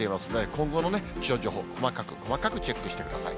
今後の気象情報、細かく細かくチェックしてください。